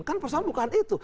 kan persoalan bukan itu